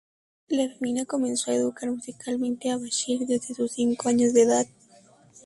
La familia comenzó a educar musicalmente a Bashir desde sus cinco años de edad.